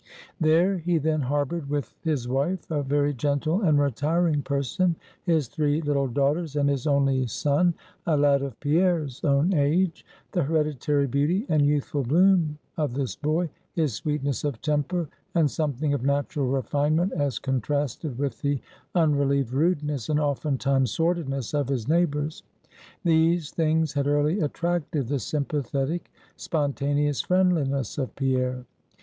There, he then harbored with his wife, a very gentle and retiring person, his three little daughters, and his only son, a lad of Pierre's own age. The hereditary beauty and youthful bloom of this boy; his sweetness of temper, and something of natural refinement as contrasted with the unrelieved rudeness, and oftentimes sordidness, of his neighbors; these things had early attracted the sympathetic, spontaneous friendliness of Pierre.